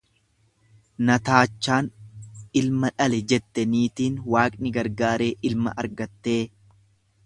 Na taachaan ilma dhale jette niitiin Waaqni gargaaree ilma argattee.